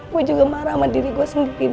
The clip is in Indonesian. gue juga marah sama diri gue sendiri din